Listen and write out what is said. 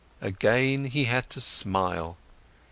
Again, he had to smile.